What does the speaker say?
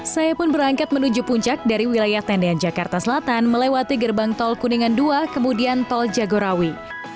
saya pun berangkat menuju puncak dari wilayah tendean jakarta selatan melewati gerbang tol kuningan dua kemudian tol jagorawi